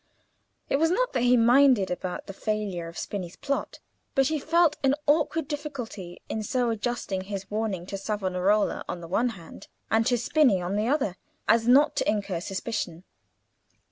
It was not that he minded about the failure of Spini's plot, but he felt an awkward difficulty in so adjusting his warning to Savonarola on the one hand, and to Spini on the other, as not to incur suspicion.